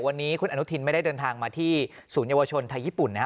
วันนี้คุณอนุทินไม่ได้เดินทางมาที่ศูนยวชนไทยญี่ปุ่นนะฮะ